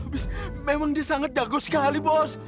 bis memang dia sangat jago sekali bos